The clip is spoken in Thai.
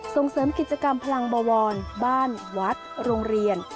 ส่งเสริมกิจกรรมพลังบวรบ้านวัดโรงเรียน